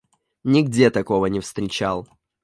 Нигде такого не встречал.